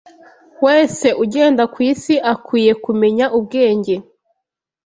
wese ugenda kwisi akwiye kumenya ubwenge